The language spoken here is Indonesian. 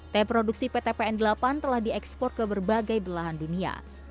teh produksi ptpn delapan telah diekspor ke berbagai belahan dunia